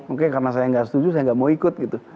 oke karena saya nggak setuju saya nggak mau ikut gitu